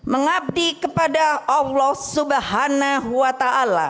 mengabdi kepada allah swt